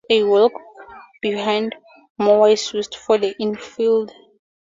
A walk-behind mower is used for the infield.